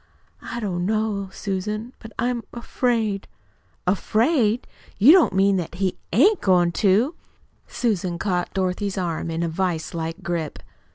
"I don't know, Susan; but I'm afraid." "Afraid! You don't mean he AIN'T goin' to?" Susan caught Miss Dorothy's arm in a vise like grip.